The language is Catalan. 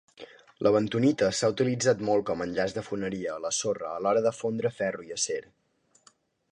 La bentonita s'ha utilitzat molt com a enllaç de foneria a la sorra a l'hora de fondre ferro i acer.